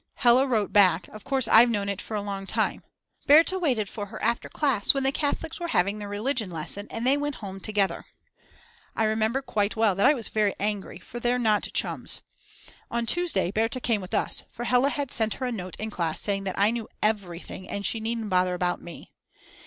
Hella wrote back, of course I've known it for a long time. Berta waited for her after class when the Catholics were having their religion lesson and they went home together. I remember quite well that I was very angry, for they're not chums. On Tuesday Berta came with us, for Hella had sent her a note in class saying that I knew everything and she needn't bother about me.